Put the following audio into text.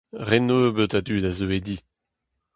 Re nebeut a dud a zeue di.